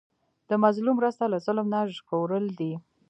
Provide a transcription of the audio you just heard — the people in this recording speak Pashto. د مظلوم مرسته له ظلم نه ژغورل دي.